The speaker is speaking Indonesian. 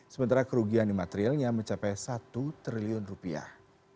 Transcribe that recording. sementara kerugian di materialnya mencapai satu triliun rupiah